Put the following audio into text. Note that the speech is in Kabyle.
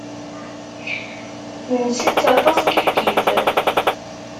Nsett aṭas kifkif.